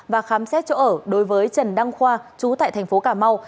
và khám xét chỗ ở đối với trần đăng khoa chú tại thành phố cà mau